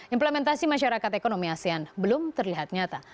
implementasi masyarakat ekonomi asean belum terlihat nyata